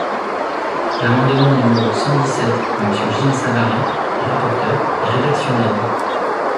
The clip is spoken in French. L’amendement numéro cent dix-sept de Monsieur Gilles Savary, rapporteur, est rédactionnel.